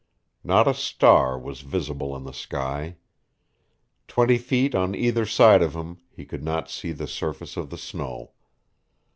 Not a star was visible in the sky. Twenty feet on either side of him he could not see the surface of the snow.